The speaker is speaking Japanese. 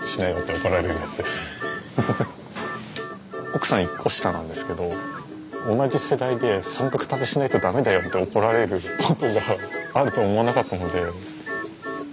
奥さん１個下なんですけど同じ世代で「三角食べしないと駄目だよ」って怒られることがあるとは思わなかったので。